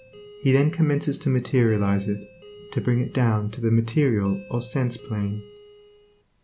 he then commences to materialize it, to bring it down to the material or sense plane.